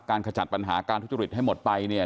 ขจัดปัญหาการทุจริตให้หมดไปเนี่ย